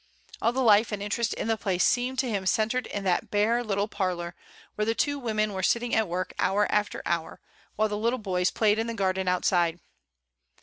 All the life and interest in the place seemed to him centred in that bare little parlour, where the two women were sitting at work, hour after hour, while the little boys played in the garden outside.